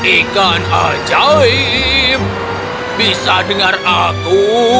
ikan ajaib bisa dengar aku